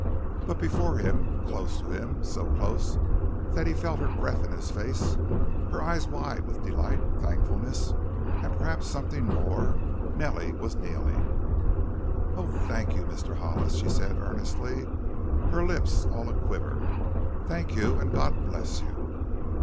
But before him, close to him, so close that he felt her breath in his face her eyes wide with delight, thankfulness and perhaps something more Nellie was kneeling. "Oh, thank you, Mr. Hollis!" she said earnestly, her lips all a quiver; "Thank you, and God bless you!"